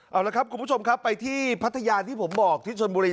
เอาละครับคุณผู้ชมครับไปที่พัทยาที่ผมบอกที่ชนบุรี